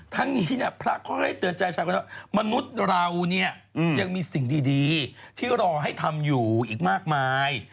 ทั้งนี้เนี่ยพระเขาได้เตือนใจชายคนนี้ว่ามนุษย์เราเนี่ยยังมีสิ่งดีที่รอให้ทำอยู่อีกมากมาย